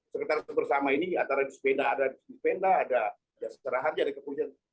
sekitar bersama ini ada sepeda ada dipenda ada jasara harja ada kepolisian